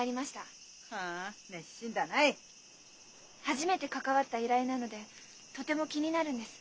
初めて関わった依頼なのでとても気になるんです。